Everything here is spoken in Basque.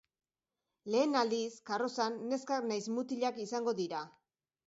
Lehen aldiz, karrozan neskak nahiz mutilak izango dira.